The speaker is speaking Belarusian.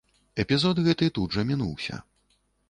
Эпізод гэты тут жа мінуўся.